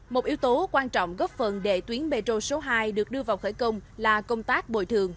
một yếu tố quan trọng góp phần để tuyến metro số hai được đưa vào khởi công là công tác bồi thường